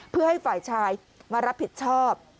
เพื่อให้ฝ่ายชายมารับผิดชอบ